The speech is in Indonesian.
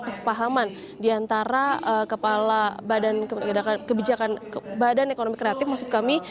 kesepahaman diantara kepala badan kebijakan badan ekonomi kreatif maksud kami